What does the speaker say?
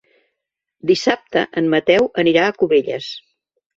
Dissabte en Mateu anirà a Cubelles.